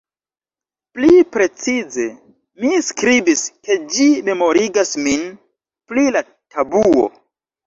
Pli precize, mi skribis ke ĝi "memorigas min" pri la tabuo.